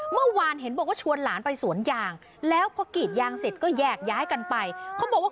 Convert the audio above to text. เมื่อวานเห็นบอกว่าชวนหลานไปสวนยางแล้วพอกิจยางเสร็จก็บอกว่า